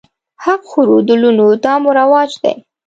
حق خورو د لوڼو دا مو رواج دی